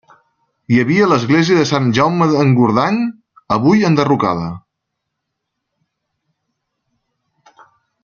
Hi havia l'església de Sant Jaume d'Engordany, avui enderrocada.